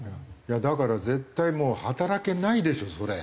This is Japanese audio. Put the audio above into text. だから絶対もう働けないでしょそれ。